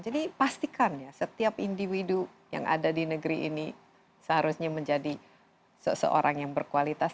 jadi pastikan setiap individu yang ada di negeri ini seharusnya menjadi seseorang yang berkualitas